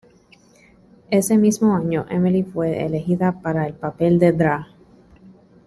Ese mismo año Emily fue elegida para el papel del "Dra.